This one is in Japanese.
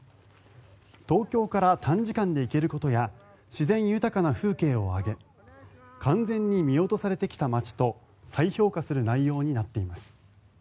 東京から短時間で行けることや自然豊かな風景を挙げ完全に見落とされてきた街と再評価する内容になっています。